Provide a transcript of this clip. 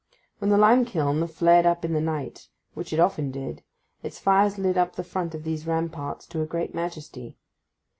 When the lime kiln flared up in the night, which it often did, its fires lit up the front of these ramparts to a great majesty.